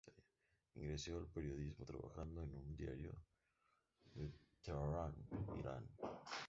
Ingresó al periodismo trabajando en un diario de Teherán, Irán.